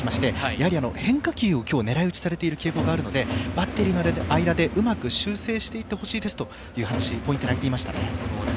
やや変化球をねらい撃ちされている傾向があるバッテリーの間でうまく修正していってほしいですという話をしていました。